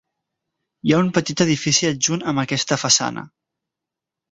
Hi ha un petit edifici adjunt amb aquesta façana.